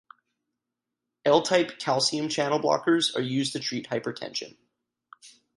L-type calcium channel blockers are used to treat hypertension.